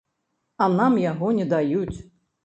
А нам яго не даюць.